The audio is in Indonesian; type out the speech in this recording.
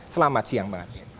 selamat siang bang arief